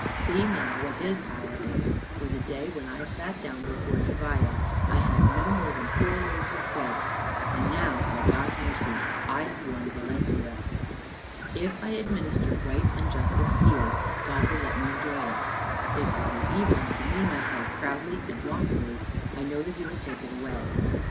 See now what his power is, for the day when I sat down before Juballa I had no more than four loaves of bread, and now by God's mercy I have won Valencia. "If I administer right and justice here, God will let me enjoy it; if I do evil, and demean myself proudly and wrongfully, I know that he will take it away.